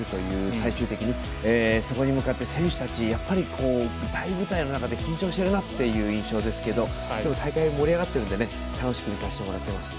最終的に、そこに向かって選手たち大舞台の中で緊張しているなっていう印象ですけどでも大会、盛り上がっているので楽しく見させてもらってます。